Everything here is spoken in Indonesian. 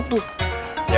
udah didasih munjuk